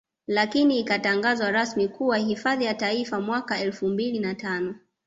Lakini ikatangazwa rasmi kuwa hifadhi ya Taifa mwaka Elfu mbili na tano